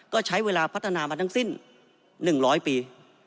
ก็ใช้เวลาพัฒนามาทั้งสิ้น๑๐๐ปี